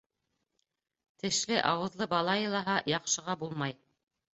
Тешле-ауыҙлы бала илаһа, яҡшыға булмай.